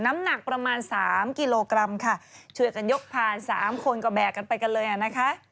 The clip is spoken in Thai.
น้ำหนักประมาณสามกิโลกรัมค่ะช่วยกันยกผ่านสามคนก็แบกกันไปกันเลยอ่ะนะคะ